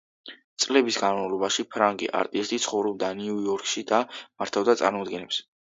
წლების განმავლობაში ფრანგი არტისტი ცხოვრობდა ნიუ-იორკში და მართავდა წარმოდგენებს.